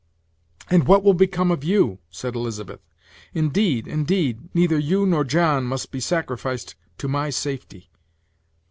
"And what will become of you?" said Elizabeth. "In deed, indeed, neither you nor John must be sacrificed to my safety."